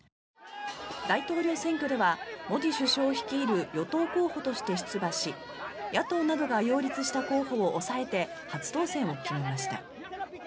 大統領選挙ではモディ首相率いる与党候補として出馬し野党などが擁立した候補を抑えて初当選を決めました。